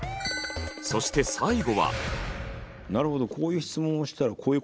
そして最後は。